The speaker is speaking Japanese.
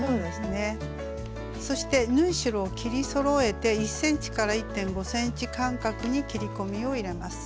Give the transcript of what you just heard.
そして縫い代を切りそろえて１ｃｍ１．５ｃｍ間隔に切り込みを入れます。